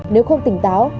nếu không tỉnh táo